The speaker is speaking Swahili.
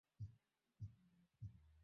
Zima hiyo kitu ina harufu mbaya